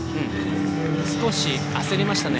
少し焦りましたね。